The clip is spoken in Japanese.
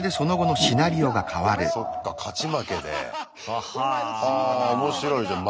はあ面白いじゃん。